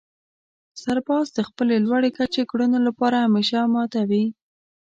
سرباز د خپلې لوړې کچې کړنو لپاره همېشه اماده وي.